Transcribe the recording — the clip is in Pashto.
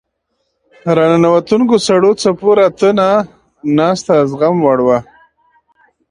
راننوتونکو سړو څپو راته نه ناسته زغموړ وه.